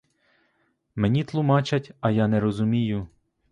Мені тлумачать, а я не розумію.